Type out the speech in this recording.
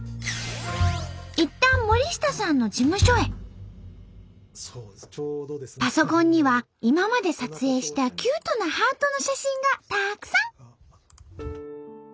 いったんパソコンには今まで撮影したキュートなハートの写真がたくさん。